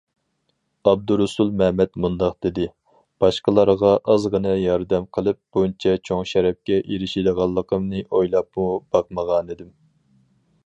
ئابدۇرۇسۇل مەمەت مۇنداق دېدى: باشقىلارغا ئازغىنە ياردەم قىلىپ، بۇنچە چوڭ شەرەپكە ئېرىشىدىغانلىقىمنى ئويلاپمۇ باقمىغانىدىم.